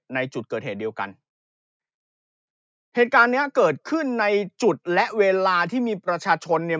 ในจุดเกิดเหตุเดียวกันเหตุการณ์เนี้ยเกิดขึ้นในจุดและเวลาที่มีประชาชนเนี่ย